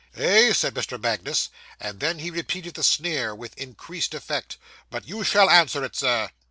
'Eh?' said Mr. Magnus; and then he repeated the sneer with increased effect. 'But you shall answer it, Sir.